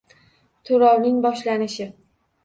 To'lovning boshlanishi: